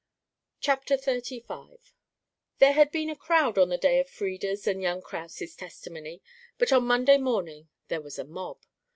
CHAPTER XXXV There had been a crowd on the day of Frieda's and young Kraus' testimony, but on Monday morning there was a mob.